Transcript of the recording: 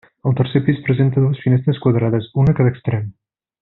El tercer pis presenta dues finestres quadrades, una a cada extrem.